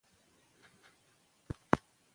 د بدن ساړه زغمل په جنیټیکي عواملو پورې تړاو لري.